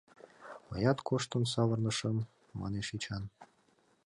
— Мыят коштын савырнышым, — манеш Эчан.